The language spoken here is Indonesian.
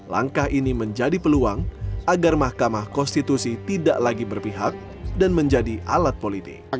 langkah ini menjadi peluang agar mahkamah konstitusi tidak lagi berpihak dan menjadi alat politik